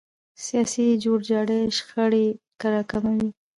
سیاسي جوړجاړی شخړې راکموي